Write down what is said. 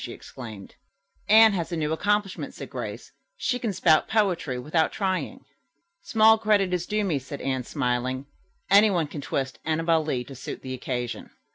she exclaimed. "Anne has a new accomplishment," said Grace. "She can spout poetry without trying." "Small credit is due me," said Anne, smiling. "Anyone can twist 'Annabel Lee' to suit the occasion."